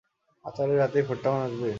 আচারের রাতেই ফোরটাউন আসবে?